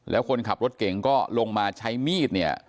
แล้วคนขับรถเก่งก็ลงมาใช้มีดเนี่ย